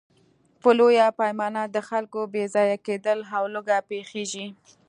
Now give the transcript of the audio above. په لویه پیمانه د خلکو بېځایه کېدل او لوږه پېښېږي.